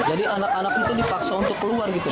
jadi anak anak itu dipaksa untuk keluar gitu